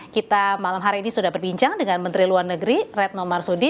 kita malam hari ini sudah berbincang dengan menteri luar negeri retno marsudi